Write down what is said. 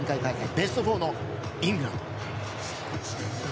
ベスト４のイングランド。